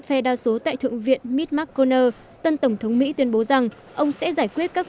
phe đa số tại thượng viện midmakoner tân tổng thống mỹ tuyên bố rằng ông sẽ giải quyết các